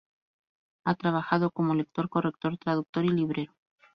Ha trabajado como lector, corrector, traductor y librero.